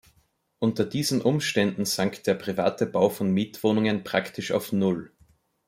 Unter diesen Umständen sank der private Bau von Mietwohnungen praktisch auf Null.